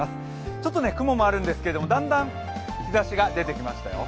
ちょっと雲もあるんですけどだんだん日ざしが出てきましたよ。